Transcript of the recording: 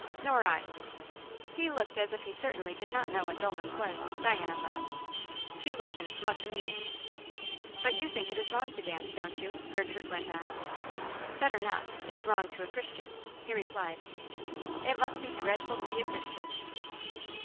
"Nor I." He looked as if he certainly did not know what dulness was, Diana thought. She listened, much amused. "But you think it is wrong to dance, don't you?" Gertrude went on. "'Better not' is wrong to a Christian," he replied. "It must be dreadful to be a Christian!"